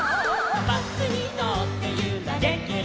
「バスにのってゆられてる」